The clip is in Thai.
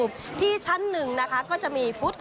เป็นอย่างไรนั้นติดตามจากรายงานของคุณอัญชาฬีฟรีมั่วครับ